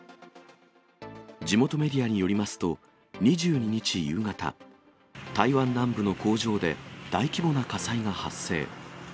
地元メディアによりますと、２２日夕方、台湾南部の工場で、大規模な火災が発生。